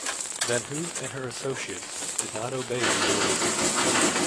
Van Hoof and her associates did not obey these orders.